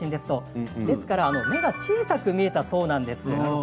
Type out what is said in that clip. ですから目が小さく見えたそうです。